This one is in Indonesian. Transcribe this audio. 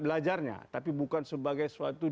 belajarnya tapi bukan sebagai suatu